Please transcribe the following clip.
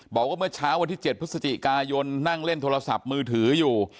บอกว่าเมื่อเช้าวันที่๗พฤศจิกายนนั่งเล่นโทรศัพท์มือถืออยู่